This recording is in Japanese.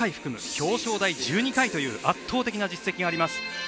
表彰台１２回という圧倒的な実績があります。